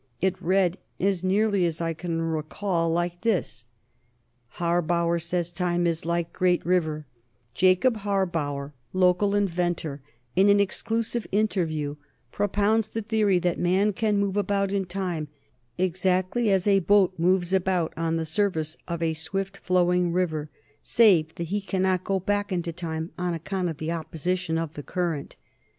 It read, as nearly as I can recall it, like this: Harbauer Says Time Is Like Great River Jacob Harbauer, local inventor, in an exclusive interview, propounds the theory that man can move about in time exactly as a boat moves about on the surface of a swift flowing river, save that he cannot go back into time, on account of the opposition of the current.